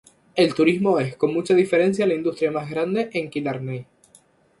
El turismo es, con mucha diferencia, la industria más grande en Killarney.